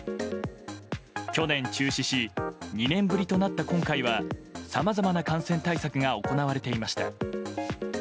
去年、中止し２年ぶりとなった今回はさまざまな感染対策が行われていました。